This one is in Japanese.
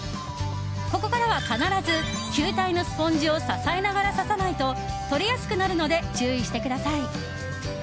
ここからは必ず球体のスポンジを支えながら挿さないと取れやすくなるので注意してください。